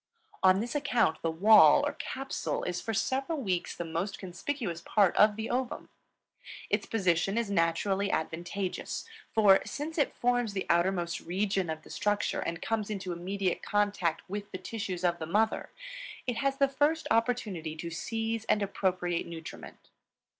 On this account the wall, or capsule, is for several weeks the most conspicuous part of the ovum. Its position is naturally advantageous, for, since it forms the outermost region of the structure and comes into immediate contact with the tissues of the mother, it has the first opportunity to seize and appropriate nutriment.